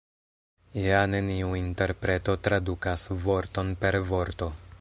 Ja neniu interpreto tradukas vorton per vorto.